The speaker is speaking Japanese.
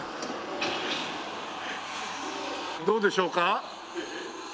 どうでしょうか？